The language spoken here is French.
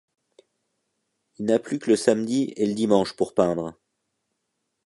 Il n'a plus que le samedi et le dimanche pour peindre.